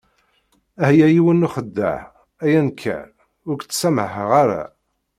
Ah ya yiwen n uxeddaɛ, ay anekkar, ur k-ttsamaḥeɣ ara.